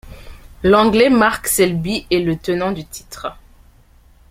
L'Anglais Mark Selby est le tenant du titre.